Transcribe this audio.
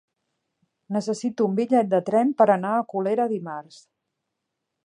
Necessito un bitllet de tren per anar a Colera dimarts.